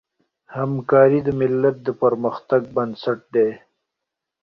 همکاري د ملت د پرمختګ بنسټ دی.